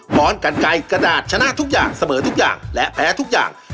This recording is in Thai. พร้อมกันไกลกระดาษชนะทุกอย่างเสมอทุกอย่างและแพ้ทุกอย่าง